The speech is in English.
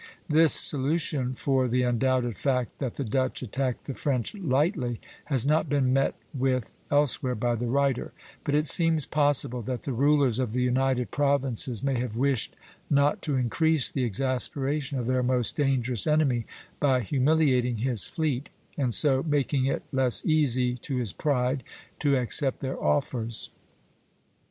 This solution for the undoubted fact that the Dutch attacked the French lightly has not been met with elsewhere by the writer; but it seems possible that the rulers of the United Provinces may have wished not to increase the exasperation of their most dangerous enemy by humiliating his fleet, and so making it less easy to his pride to accept their offers.